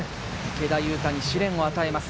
池田勇太に試練を与えます。